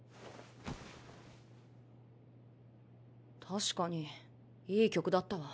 確かにいい曲だったわ。